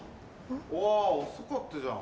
おぉ遅かったじゃん。